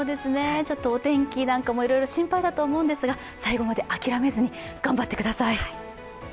お天気なんかもいろいろ心配だと思うんですが最後まで諦めずに頑張ってください。